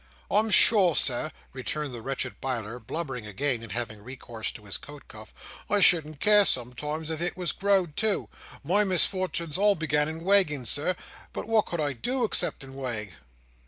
"I'm sure, Sir," returned the wretched Biler, blubbering again, and again having recourse to his coat cuff: "I shouldn't care, sometimes, if it was growed too. My misfortunes all began in wagging, Sir; but what could I do, exceptin' wag?"